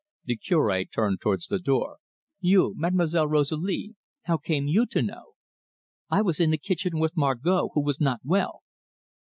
The Cure turned towards the door. "You, Mademoiselle Rosalie, how came you to know?" "I was in the kitchen with Margot, who was not well."